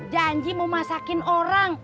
janji mau masakin orang